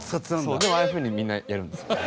でもああいうふうにみんなやるんですよね。